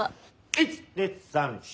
１２３４。